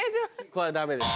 これはダメです。